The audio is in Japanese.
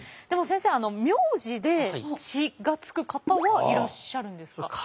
でも先生名字で血が付く方はいらっしゃるんですか？